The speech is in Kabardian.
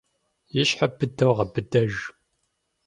И щхьэр быдэу гъэбыдэж.